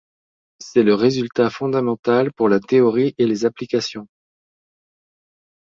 C'est le résultat fondamental pour la théorie et les applications.